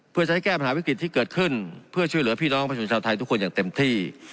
เพื่อใช้แก้ปัญหาวิกฤตที่เกิดขึ้นเพื่อช่วยเหลือพี่น้องประชาชนชาวไทยทุกคนอย่างเต็มที่